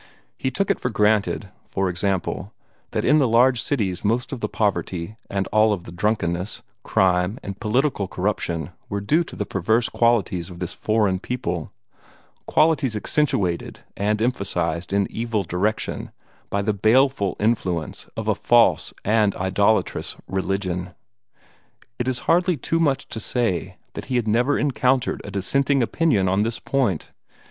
He took it for granted, for example, that in the large cities most of the poverty and all the drunkenness, crime, and political corruption were due to the perverse qualities of this foreign people qualities accentuated and emphasized in every evil direction by the baleful influence of a false and idolatrous religion. It is hardly too much to say that he had never encountered a dissenting opinion on this point.